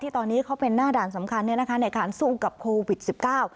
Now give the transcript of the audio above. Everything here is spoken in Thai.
ตอนนี้เขาเป็นหน้าด่านสำคัญเนี้ยนะคะในการสู้กับโควิดสิบเก้า